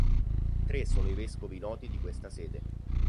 Tre sono i vescovi noti di questa sede.